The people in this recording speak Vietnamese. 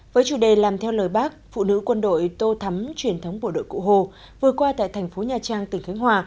với chủ đề làm theo lời bác phụ nữ quân đội tô thắm truyền thống bộ đội cụ hồ vừa qua tại thành phố nha trang tỉnh khánh hòa